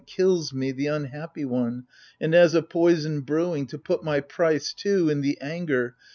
Kills me the unhappy one : and as a poison Brewing, to put my price too in the anger.